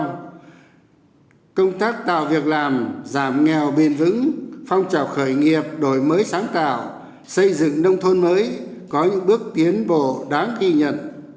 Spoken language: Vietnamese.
năm thứ ba công tác tạo việc làm giảm nghèo biên vững phong trào khởi nghiệp đổi mới sáng tạo xây dựng nông thôn mới có những bước tiến bộ đáng ghi nhận